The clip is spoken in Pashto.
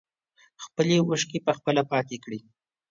خپلې اوښکې په خپله پاکې کړئ.